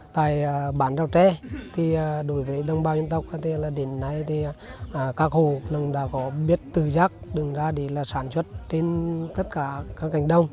tại bán rau tre đối với đồng bào dân tộc đến nay các hồ đã có biết tư giác đường ra đi sản xuất trên tất cả cảnh đông